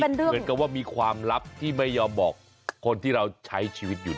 เหมือนกับว่ามีความลับที่ไม่ยอมบอกคนที่เราใช้ชีวิตอยู่